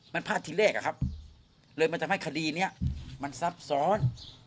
มันพลาดทีแรกอะครับเลยมันทำให้คดีนี้มันซับซ้อน